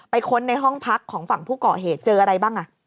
ค้นในห้องพักของฝั่งผู้ก่อเหตุเจออะไรบ้าง